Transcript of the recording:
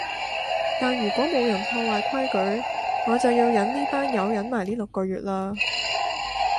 但如果冇人破壞規矩，我就要忍呢班友忍埋呢六個月喇